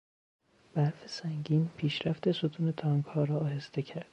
برف سنگین پیشرفت ستون تانکها را آهسته کرد.